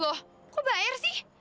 loh kok bayar sih